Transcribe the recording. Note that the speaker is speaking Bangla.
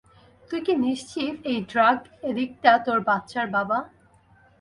তুই কী নিশ্চিত এই ড্রাগ এডিক্টটা তোর বাচ্চার বাবা?